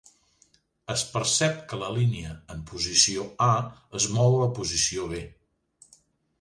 Es percep que la línia en posició A es mou a la posició B.